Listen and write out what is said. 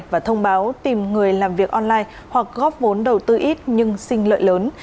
và thông báo tìm người làm việc online hoặc góp vốn đầu tư ít nhưng xin lợi lớn